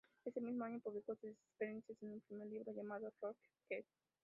Ese mismo año publicó sus experiencias en un primer libro llamado, "Ross Kemp.